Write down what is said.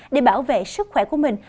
để bảo vệ sức khỏe của mình